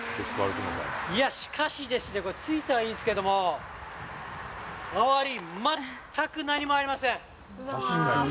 いや、しかしですね、これ、着いたのはいいですけど、周り、全く何もありません。